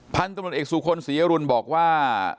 พันธุ์ตำรวจเอกสุคลศรีอรุณบอกว่า